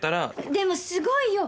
でもすごいよ。